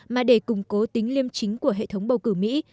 mà để củng cố tính liêm chính của hệ thống bầu cử mỹ